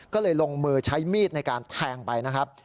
ก็เลยลงมือใช้มีดในการแทงไปนะครับ